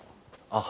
あ。